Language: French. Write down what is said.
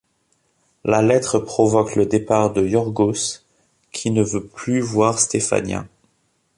La lettre provoque le départ de Yorgos qui ne veut plus voir Stefania.